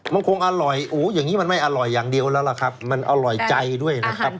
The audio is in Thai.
มันคงอร่อยโอ้อย่างนี้มันไม่อร่อยอย่างเดียวแล้วล่ะครับมันอร่อยใจด้วยนะครับ